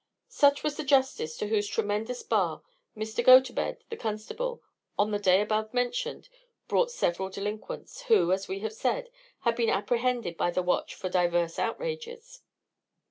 Such was the justice to whose tremendous bar Mr. Gotobed the constable, on the day above mentioned, brought several delinquents, who, as we have said, had been apprehended by the watch for diverse outrages.